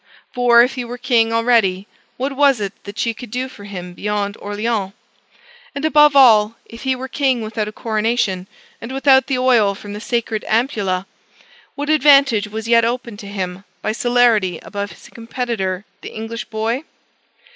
For, if he were king already, what was it that she could do for him beyond Orleans? And above all, if he were king without a coronation, and without the oil from the sacred ampulla, what advantage was yet open to him by celerity above his competitor the English boy?